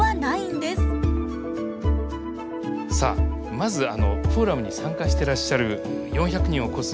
さあまずフォーラムに参加してらっしゃる４００人を超す皆さん。